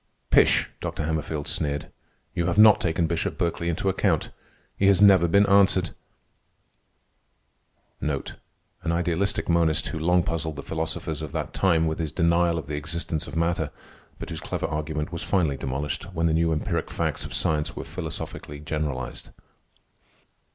"Pish!" Dr. Hammerfield sneered. "You have not taken Bishop Berkeley into account. He has never been answered." An idealistic monist who long puzzled the philosophers of that time with his denial of the existence of matter, but whose clever argument was finally demolished when the new empiric facts of science were philosophically generalized.